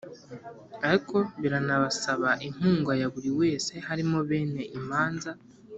ariko biranasaba inkunga ya buri wese harimo bene imanza,